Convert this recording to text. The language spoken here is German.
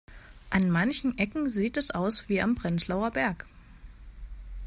An manchen Ecken sieht es aus wie am Prenzlauer Berg.